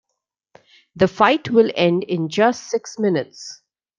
The fight will end in just six minutes.